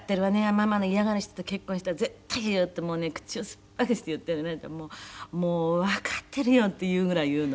ママの嫌がる人と結婚したら絶対イヤよ”ってもうね口を酸っぱくして言ったり“もうわかってるよ”っていうぐらい言うの」